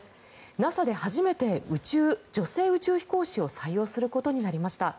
ＮＡＳＡで初めて女性宇宙飛行士を採用することになりました。